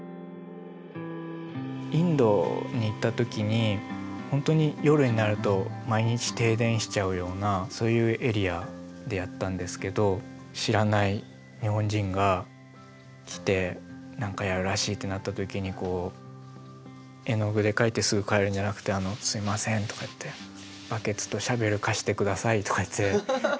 インドに行った時に本当に夜になると毎日停電しちゃうようなそういうエリアでやったんですけど知らない日本人が来て何かやるらしいってなった時に絵の具で描いてすぐ帰るんじゃなくて「あのすみません」とか言って「バケツとシャベル貸してください」とか言って。